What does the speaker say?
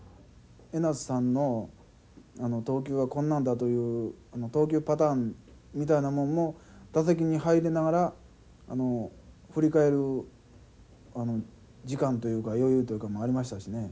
江夏さんのあの投球はこんなんだという投球パターンみたいなもんも打席に入りながらあの振り返る時間というか余裕というかもありましたしね。